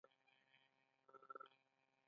خانج وائي رڼا َد مينې ده رڼا َد سترګو